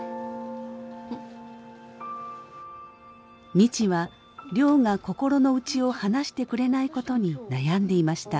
未知は亮が心の内を話してくれないことに悩んでいました。